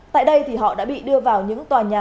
tại đây thì họ đã bị đưa vào những tòa nhà